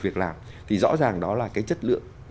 việc làm thì rõ ràng đó là cái chất lượng